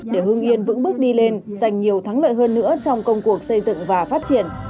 để hương yên vững bước đi lên giành nhiều thắng lợi hơn nữa trong công cuộc xây dựng và phát triển